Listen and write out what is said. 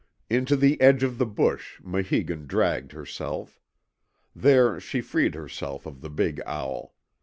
Into the edge of the bush Maheegun dragged herself. There she freed herself of the big owl.